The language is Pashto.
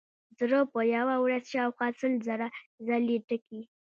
زړه په یوه ورځ شاوخوا سل زره ځلې ټکي.